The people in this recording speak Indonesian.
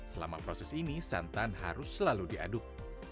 selama proses ini santan harus selalu diaduk